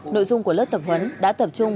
nội dung của lớp tập huấn đã tập trung